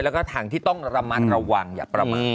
แล้วก็ทางที่ต้องระมัดระวังอย่าประมาท